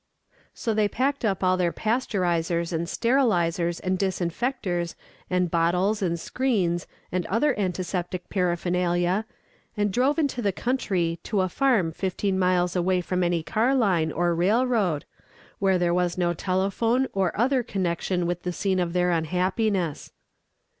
So they packed up all their pasteurizers and sterilizers and disinfectors and bottles and screens and other antiseptic paraphernalia, and drove into the country to a farm fifteen miles away from any car line or railroad, where there was no telephone or other connection with the scene of their unhappiness.